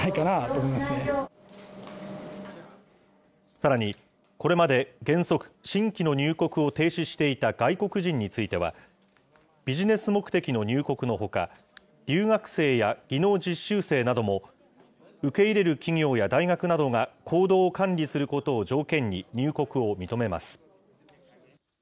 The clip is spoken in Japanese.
さらに、これまで原則、新規の入国を停止していた外国人については、ビジネス目的の入国のほか、留学生や技能実習生なども、受け入れる企業や大学などが行動を管理することを条件に入国を認めます。